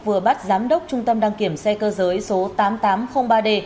vừa bắt giám đốc trung tâm đăng kiểm xe cơ giới số tám nghìn tám trăm linh ba d